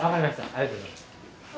ありがとうございます。